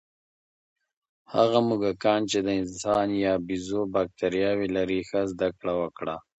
هغه موږکان چې د انسان یا بیزو بکتریاوې لري، ښه زده کړه وکړه.